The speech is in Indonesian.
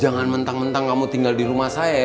jangan mentang mentang kamu tinggal di rumah saya ya